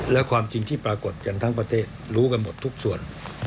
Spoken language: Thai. และความจริงที่ปรากฏกันทั้งประเทศรู้กันหมดทุกส่วน